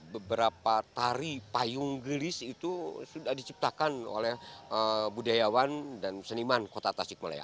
beberapa tari payung gelis itu sudah diciptakan oleh budayawan dan seniman kota tasik malaya